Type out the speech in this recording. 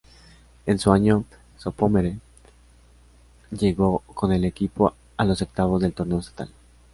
En su año sophomore llegó con el equipo a los octavos del "torneo estatal".